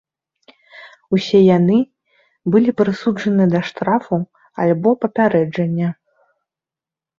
Усе яны былі прысуджаны да штрафу альбо папярэджання.